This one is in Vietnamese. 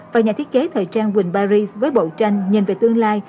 và nhà thiết kế thời trang quỳnh barris với bộ tranh nhìn về tương lai